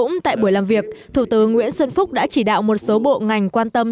cũng tại buổi làm việc thủ tướng nguyễn xuân phúc đã chỉ đạo một số bộ ngành quan tâm